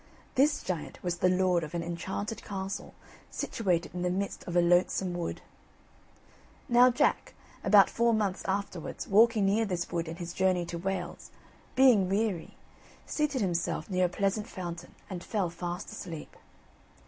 This giant was the lord of an enchanted castle situated in the midst of a lonesome wood. Now Jack, about four months afterwards, walking near this wood in his journey to Wales, being weary, seated himself near a pleasant fountain and fell fast asleep.